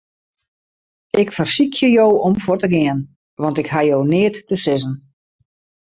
Ik fersykje jo om fuort te gean, want ik haw jo neat te sizzen.